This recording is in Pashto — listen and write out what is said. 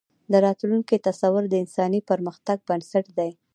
د راتلونکي تصور د انساني پرمختګ بنسټ دی.